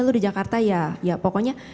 lu di jakarta ya ya pokoknya